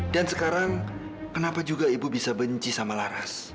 dan sekarang kenapa juga ibu bisa benci sama laras